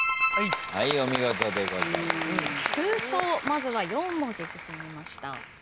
まずは４文字進めました。